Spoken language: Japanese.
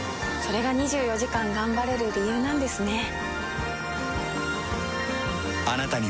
れが２４時間頑張れる理由なんですね。